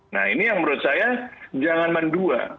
nah ini yang menurut saya jangan mendua